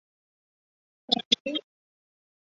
羽枝耳平藓为蕨藓科耳平藓属下的一个种。